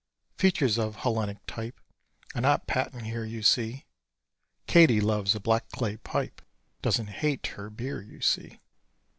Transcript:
Features of Hellenic type Are not patent here, you see. Katie loves a black clay pipe Doesn't hate her beer, you see.